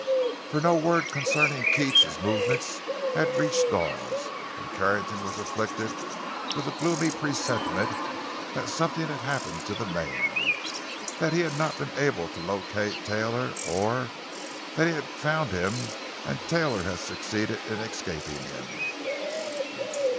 For no word concerning Keats's movements had reached Dawes, and Carrington was afflicted with a gloomy presentiment that something had happened to the man—that he had not been able to locate Taylor, or that he had found him and Taylor had succeeded in escaping him.